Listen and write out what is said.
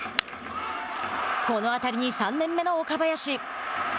この当たりに、３年目の岡林。